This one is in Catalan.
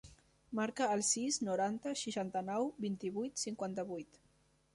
Marca el sis, noranta, seixanta-nou, vint-i-vuit, cinquanta-vuit.